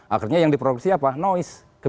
akhirnya yang diproduksi apa noise